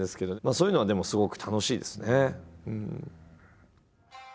そういうのはでもすごく楽しいですね。